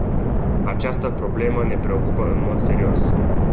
Această problemă ne preocupă în mod serios.